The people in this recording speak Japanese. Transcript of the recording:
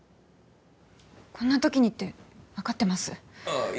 こんな時にって分かってます